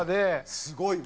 すごいわ。